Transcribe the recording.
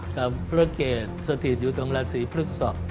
กับพระเกตสถิตอยู่ตรงรัฐศรีพฤกษัตริย์